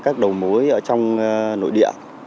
các đầu mối ở trong nội địa